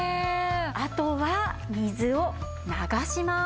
あとは水を流します。